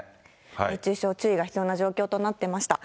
熱中症、注意が必要な状況になっていました。